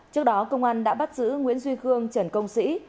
trước đó công an đã bắt giữ nguyễn duy khương trần công sĩ